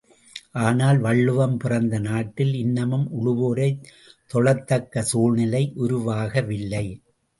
ஆனால், வள்ளுவம் பிறந்த நாட்டில் இன்னமும் உழுவோரைத் தொழத்தக்க சூழ்நிலை உருவாகவில்லை.